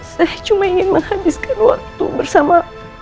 saya cuma ingin menghabiskan waktu bersama